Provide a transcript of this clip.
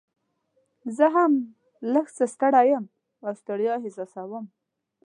زه هم لږ څه ستړی یم او ستړیا احساسوم.